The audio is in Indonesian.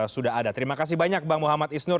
sudah ada terima kasih banyak bang muhammad isnur